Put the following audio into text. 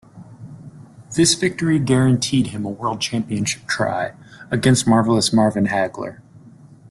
This victory guaranteed him a world championship try, against Marvelous Marvin Hagler.